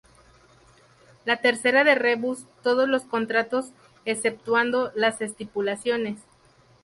La tercera "de rebus" todos los contratos exceptuando las estipulaciones.